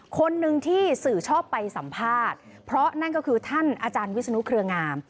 คนหนึ่งที่สื่อชอบไปสัมภาษณ์เพราะนั่นก็คือท่านอาจารย์วิศนุเครืองาม